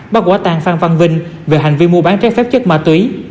bắt quả tan phan văn vinh về hành vi mua bán trái phép chất ma túy